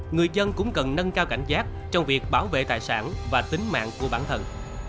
người dân cũng cần nâng cao cảnh giác trong việc bảo vệ tài sản và tính mạng của bản thân